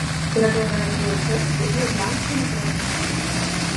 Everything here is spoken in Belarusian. Перакладае творы чэшскай і ірландскай літаратур.